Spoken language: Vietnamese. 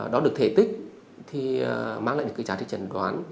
đó được thể tích thì mang lại được cái giá trị trần đoán